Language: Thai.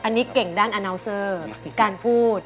อันนี้เก่งด้านอนาวเซอร์การพูด